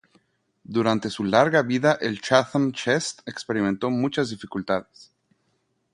Durante su larga vida el Chatham Chest experimentó muchas dificultades.